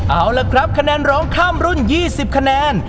เอาล่ะครับคะแนนร้องข้ามรุ่น๒๐คะแนน